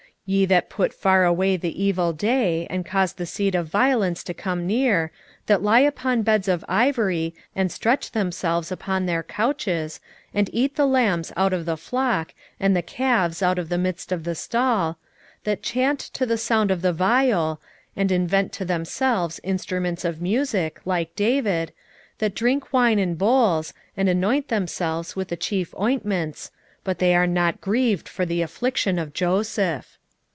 6:3 Ye that put far away the evil day, and cause the seat of violence to come near; 6:4 That lie upon beds of ivory, and stretch themselves upon their couches, and eat the lambs out of the flock, and the calves out of the midst of the stall; 6:5 That chant to the sound of the viol, and invent to themselves instruments of musick, like David; 6:6 That drink wine in bowls, and anoint themselves with the chief ointments: but they are not grieved for the affliction of Joseph.